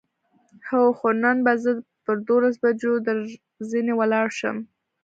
هو، خو نن به زه پر دولسو بجو درځنې ولاړ شم.